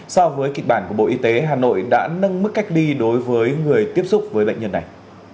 so với kịch bản của bộ y tế hà nội đã nâng mức cách ly đối với người tiếp xúc với bệnh nhân này